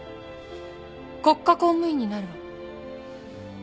国家公務員になるわ